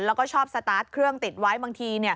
แล้วก็ชอบสตาร์ทเครื่องติดไว้บางทีเนี่ย